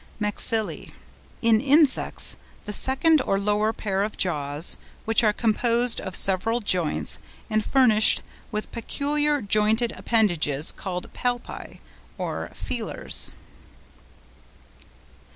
MAXILLÆ.—in insects, the second or lower pair of jaws, which are composed of several joints and furnished with peculiar jointed appendages called palpi, or feelers.